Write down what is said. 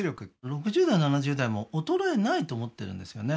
６０代７０代も衰えないと思ってるんですよね